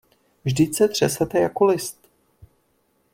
Vždyť se třesete jako list.